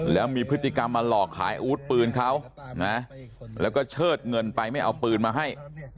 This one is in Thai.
แล้วมีพฤติกรรมมาหลอกขายอาวุธปืนเขานะแล้วก็เชิดเงินไปไม่เอาปืนมาให้